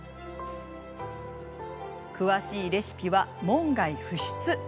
詳しいレシピは門外不出。